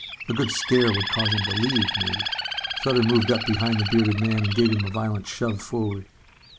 A good scare would cause him to leave, maybe. Sutter moved up behind the bearded man and gave him a violent shove forward.